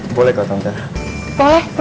itu sih lapa dong rep